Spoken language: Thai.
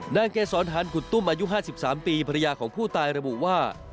เกษรฐานกุฎตุ้มอายุ๕๓ปีภรรยาของผู้ตายระบุว่า